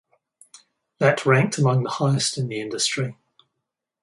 That ranked among the highest in the industry.